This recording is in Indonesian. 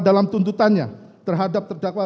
dalam tuntutannya terhadap terdakwa